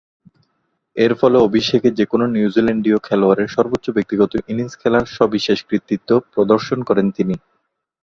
এর ফলে অভিষেকে যে-কোনো নিউজিল্যান্ডীয় খেলোয়াড়ের সর্বোচ্চ ব্যক্তিগত ইনিংস খেলার সবিশেষ কৃতিত্ব প্রদর্শন করেন তিনি।